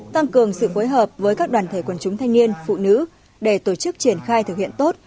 tăng cường sự phối hợp với các đoàn thể quần chúng thanh niên phụ nữ để tổ chức triển khai thực hiện tốt